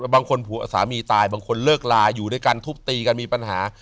บางคนผัวสามีตายบางคนเลิกลาอยู่ด้วยกันทุบตีกันมีปัญหา